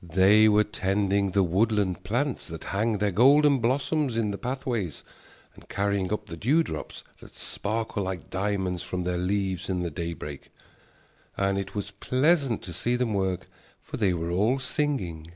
They were tending the woodland plants that hang their golden blossoms in the pathways and carrying up the dewdrops that sparkle like diamonds from their leaves in the daybreak. And it was pleasant to see them work, for they were all singing.